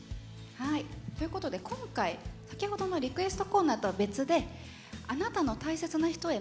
今回、先ほどのリクエストコーナーとは別で「あなたの大切な人へ」